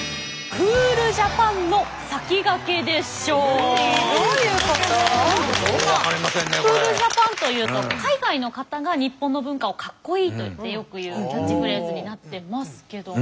クールジャパンというと海外の方が日本の文化をかっこいいと言ってよく言うキャッチフレーズになってますけども。